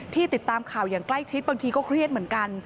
ติดตามข่าวอย่างใกล้ชิดบางทีก็เครียดเหมือนกัน